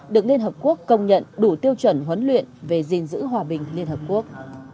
được liên hợp quốc công nhận đủ tiêu chuẩn huấn luyện về dình dữ hòa bình liên hợp quốc